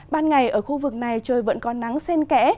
ban ngày ở khu vực này trời vẫn có nắng sen kẽ